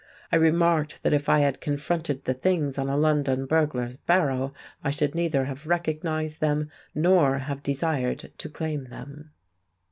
I remarked that if I had confronted the things on a London burglar's barrow, I should neither have recognised them nor have desired to claim them.